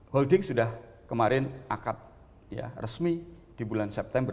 holding sudah kemarin akad resmi di bulan september dua ribu dua puluh satu